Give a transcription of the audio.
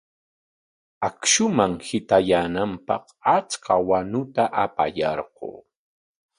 Akshuman hitayaananpaq achka wanuta apayarqun.